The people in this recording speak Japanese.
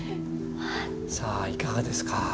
さあいかがですか？